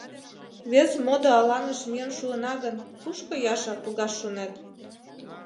— Вес модо аланыш миен шуына гын, кушко, Яша, погаш шонет?